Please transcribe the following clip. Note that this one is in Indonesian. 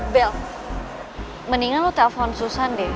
bel mendingan lo telpon susan deh